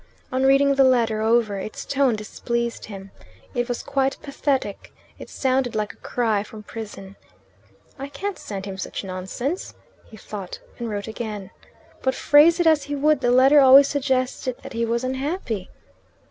On reading the letter over, its tone displeased him. It was quite pathetic: it sounded like a cry from prison. "I can't send him such nonsense," he thought, and wrote again. But phrase it as he would the letter always suggested that he was unhappy.